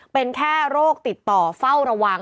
เป็นแค่โรคติดต่อเฝ้าระวัง